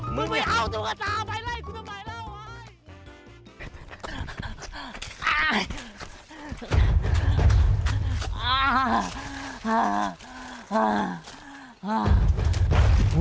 มึงไม่เอาตุ๊กตามาให้กูทำไมแล้ว